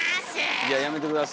いややめて下さいよ